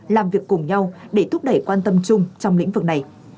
làm việc cùng nhau để thúc đẩy quan tâm chung trong lĩnh vực này